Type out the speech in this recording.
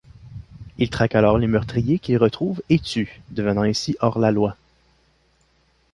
Il traque alors les meurtriers qu'il retrouve et tue, devenant ainsi hors-la-loi.